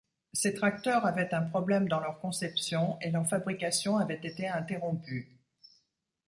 Ces tracteurs avaient un problème dans leur conception, et leur fabrication avait été interrompue.